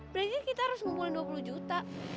berarti kita harus ngumpulin dua puluh juta